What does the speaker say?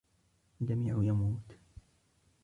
الجميع يموت.